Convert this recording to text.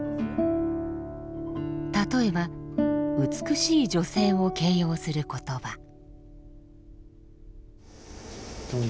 例えば美しい女性を形容する言葉。